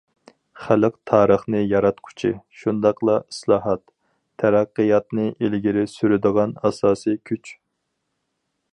خەلق تارىخنى ياراتقۇچى، شۇنداقلا ئىسلاھات، تەرەققىياتنى ئىلگىرى سۈرىدىغان ئاساسىي كۈچ.